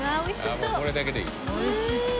もうこれだけでいい。